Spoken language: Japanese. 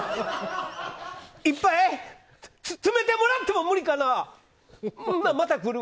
１杯、詰めてもらっても無理かな？